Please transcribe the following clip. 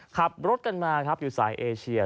ขับรถกันมาครับอยู่สายเอเชีย